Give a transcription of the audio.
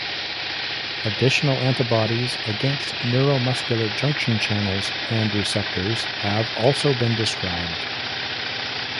Additional antibodies against neuromuscular junction channels and receptors have also been described.